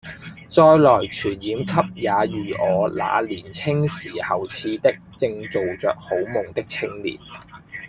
再來傳染給也如我那年青時候似的正做著好夢的青年。